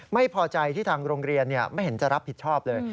ไม่พอใจที่ทางโรงเรียนไม่เห็นจะรับผิดชอบเลย